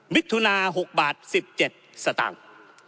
มิถุนา๖บาท๑๗สตางค์